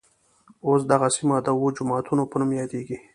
اوس دغه سیمه د اوه جوماتونوپه نوم يادېږي.